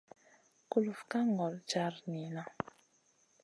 Kulufna ka golon jar niyna.